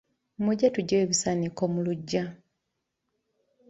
Mujje tuggyewo ebisaaniko mu luggya.